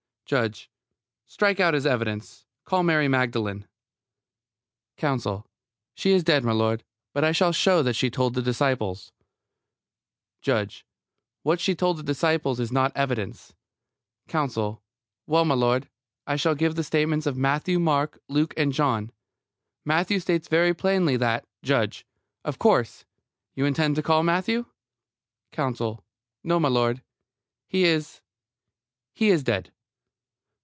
JUDGE: Strike out his evidence. Call Mary Magdalene. COUNSEL: She is dead, m'lud. But I shall show that she told the disciples JUDGE: What she told the disciples is not evidence. COUNSEL: Well, m'lud, I shall give the statements of Matthew, Mark, Luke, and John. Matthew states very plainly that JUDGE: Of course, you intend to call Matthew? COUNSEL: No, m'lud. He is he is dead.